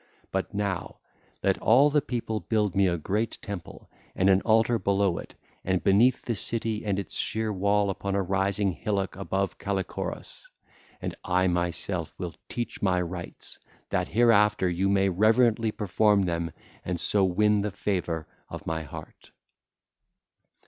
But now, let all the people build me a great temple and an altar below it and beneath the city and its sheer wall upon a rising hillock above Callichorus. And I myself will teach my rites, that hereafter you may reverently perform them and so win the favour of my heart.